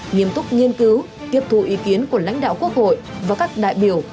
nghiêm túc nghiên cứu tiếp thu ý kiến của lãnh đạo quốc hội và các đại biểu